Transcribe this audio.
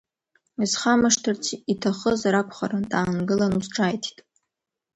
Исхамышҭырц иҭахызар акәхарын, даангылан, ус ҿааиҭит…